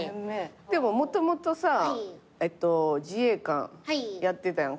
でももともとさ自衛官やってたやんか。